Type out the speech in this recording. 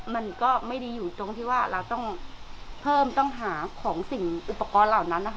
มันก็ไม่ดีอยู่ตรงที่ว่าเราต้องเพิ่มต้องหาของสิ่งอุปกรณ์เหล่านั้นนะคะ